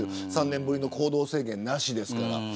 ３年ぶりの行動制限なしですから。